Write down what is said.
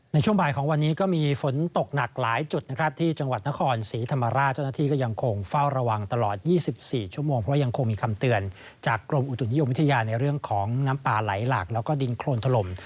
ในช่วงบ่ายของวันนี้ก็มีฝนตกหนักหลายจุดนะครับที่จังหวัดนครศรีธรรมราชเจ้าหน้าที่ก็ยังคงเฝ้าระวังตลอด๒๔ชั่วโมงเพราะยังคงมีคำเตือนจากกรมอุตุนิยมวิทยาในเรื่องของน้ำป่าไหลหลากแล้วก็ดินโครนถล่ม